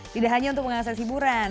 tidak hanya untuk mengakses hiburan